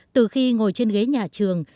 từ khi ngồi trên ghế nhà trường